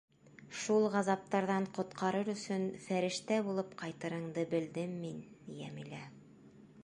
— Шул ғазаптарҙан ҡотҡарыр өсөн фәрештә булып ҡайтырыңды белдем мин, Йәмилә.